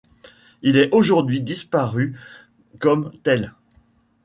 Il est aujourd'hui disparu comme tel.